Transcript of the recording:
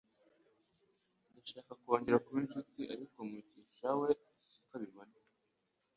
Ndashaka kongera kuba inshuti, ariko Mugisha we siko abibona